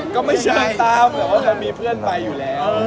ก็ไม่ใช่ตามแต่ว่ามันมีเพื่อนไปอยู่แล้ว